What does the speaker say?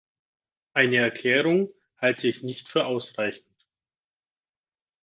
Eine Erklärung halte ich nicht für ausreichend.